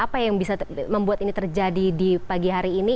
apa yang bisa membuat ini terjadi di pagi hari ini